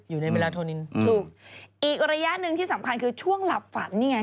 อยู่ในเวลาโทนินถูกอีกระยะหนึ่งที่สำคัญคือช่วงหลับฝันนี่ไง